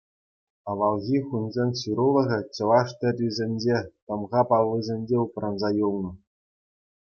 Авалхи хунсен ҫырулӑхӗ чӑваш тӗррисенче, тӑмха паллисенче упранса юлнӑ.